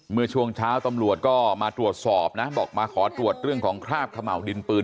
เมื่อช่วงเช้าตำรวจก็มาตรวจสอบนะบอกมาขอตรวจเรื่องของคราบเขม่าวดินปืน